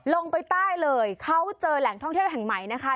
ลงไปใต้เลยเขาเจอแหล่งท่องเที่ยวแห่งใหม่นะคะ